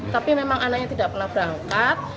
tapi memang anaknya tidak pernah berangkat